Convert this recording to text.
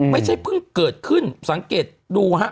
ไม่ใช่เพิ่งเกิดขึ้นสังเกตดูฮะ